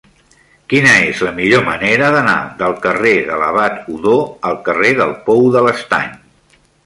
Quina és la millor manera d'anar del carrer de l'Abat Odó al carrer del Pou de l'Estany?